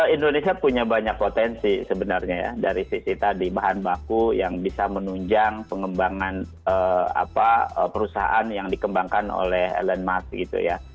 indonesia punya banyak potensi sebenarnya ya dari sisi tadi bahan baku yang bisa menunjang pengembangan perusahaan yang dikembangkan oleh elon musk gitu ya